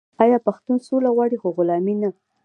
آیا پښتون سوله غواړي خو غلامي نه؟